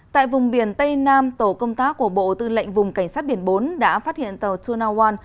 tại vùng biển tây nam tổ công tác của bộ tư lệnh vùng cảnh sát biển bốn đã phát hiện tàu tuna oan